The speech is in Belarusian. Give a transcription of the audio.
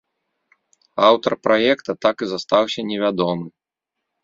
Аўтар праекта так і застаўся невядомы.